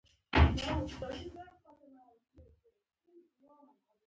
آیا د کونډې سرپرستي د کورنۍ دنده نه ده؟